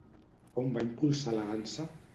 On va impulsar la dansa?